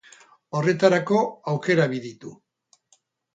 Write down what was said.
Horretarako aukera bi ditu.